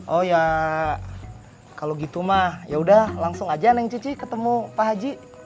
oh ya kalau gitu mah yaudah langsung aja neng cuci ketemu pak haji